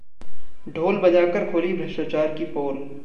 ढोल बजाकर खोली भ्रष्टाचार की पोल!